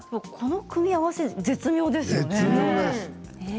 この組み合わせ絶妙ですよね。